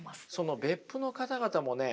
別府の方々もね